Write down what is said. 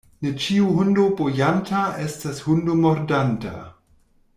Ne ĉiu hundo bojanta estas hundo mordanta.